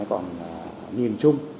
còn nhìn chung